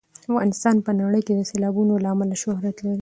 افغانستان په نړۍ کې د سیلابونو له امله شهرت لري.